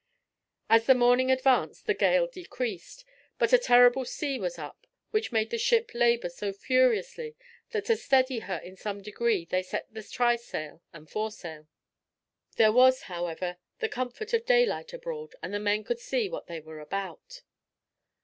As the morning advanced the gale decreased, but a terrible sea was up, which made the ship labor so furiously that to steady her in some degree they set the trysail and foresail. There was, however, the comfort of daylight abroad, and the men could see what they were about.